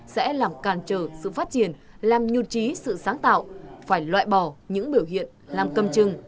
sẽ làm càn trở sự phát triển làm nhụt trí sự sáng tạo phải loại bỏ những biểu hiện làm cầm chừng